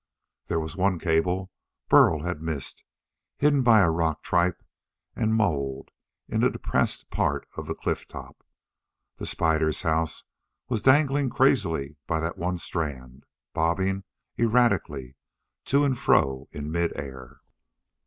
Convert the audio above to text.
There was one cable Burl had missed, hidden by rock tripe and mould in a depressed part of the cliff top. The spider's house was dangling crazily by that one strand, bobbing erratically to and fro in mid air.